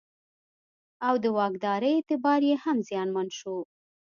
او د واکدارۍ اعتبار یې هم زیانمن شو.